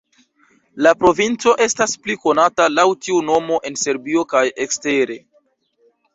La provinco estas pli konata laŭ tiu nomo en Serbio kaj ekstere.